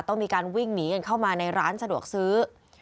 ต้องมีการวิ่งหนีกันเข้ามาในร้านสะดวกซื้อ